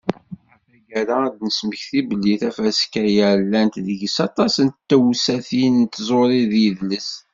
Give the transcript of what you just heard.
Ɣer taggara, ad d-nesmekti belli tafaska-a, llant deg-s aṭas n tewsatin n tẓuri d yidles.